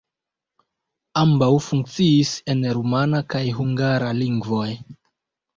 Ambaŭ funkciis en rumana kaj hungara lingvoj.